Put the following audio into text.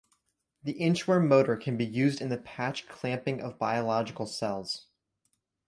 The inchworm motor can be used in the patch clamping of biological cells.